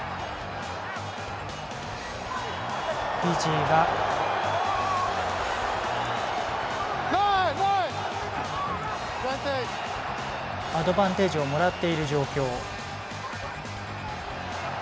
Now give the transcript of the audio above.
フィジーがアドバンテージをもらっている状況。